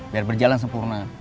biar berjalan sempurna